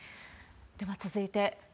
では続いて、